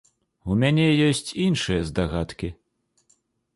У мяне ёсць іншыя здагадкі.